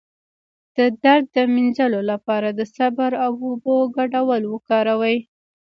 د درد د مینځلو لپاره د صبر او اوبو ګډول وکاروئ